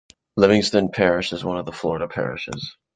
Livingston Parish is one of the Florida Parishes.